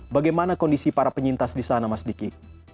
bagaimana kondisi para penyintas disana mas diki